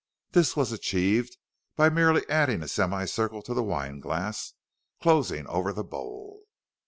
"This was achieved by merely adding a semi circle to the wine glass, closing over the bowl."